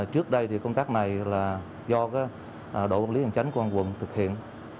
trước đây thì công tác này là do đội quân lý hành chánh công an quận thực hiện